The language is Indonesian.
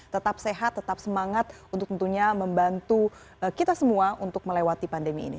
tetap sehat tetap semangat untuk tentunya membantu kita semua untuk melewati pandemi ini